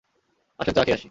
আসেন চা খেয়ে আসি।